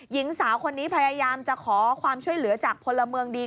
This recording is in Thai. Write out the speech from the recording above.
หญิงสาวคนนี้พยายามจะขอความช่วยเหลือจากพลเมืองดี